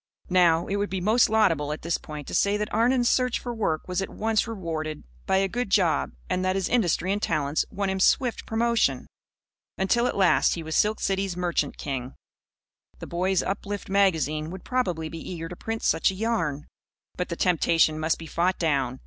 Now, it would be most laudable at this point to say that Arnon's search for work was at once rewarded by a good job and that his industry and talents won him swift promotion; until at last he was Silk City's merchant king. The Boys' Uplift Magazine would probably be eager to print such a yarn. But the temptation must be fought down.